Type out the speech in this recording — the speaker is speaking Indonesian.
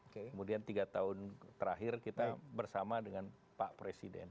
kemudian tiga tahun terakhir kita bersama dengan pak presiden